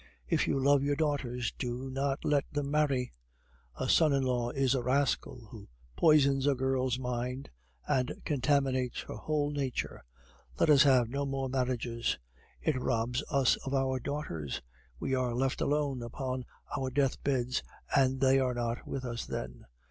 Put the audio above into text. If you love your daughters, do not let them marry. A son in law is a rascal who poisons a girl's mind and contaminates her whole nature. Let us have no more marriages! It robs us of our daughters; we are left alone upon our deathbeds, and they are not with us then.